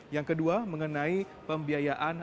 yang kedua mengenai pembiayaan